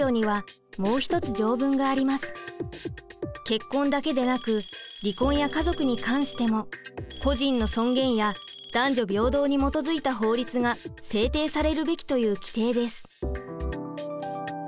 結婚だけでなく離婚や家族に関しても個人の尊厳や男女平等に基づいた法律が制定されるべきという規定です。